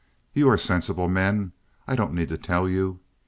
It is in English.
You are sensible men. I don't need to tell you.